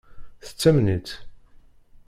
Tettamen-itt?